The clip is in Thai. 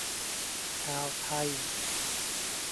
ชาวไทย